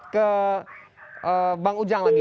ke bang ujang lagi